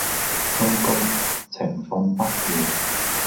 糟糕！情況不妙